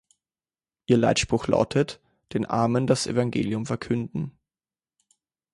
Ihr Leitspruch lautet: „Den Armen das Evangelium verkünden“.